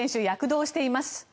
躍動しています。